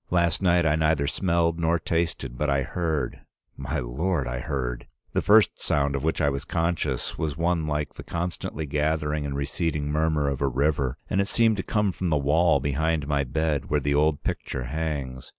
Last night I neither smelled nor tasted, but I heard — my Lord, I heard! The first sound of which I was conscious was one like the constantly gathering and receding murmur of a river, and it seemed to come from the wall behind my bed where the old picture hangs.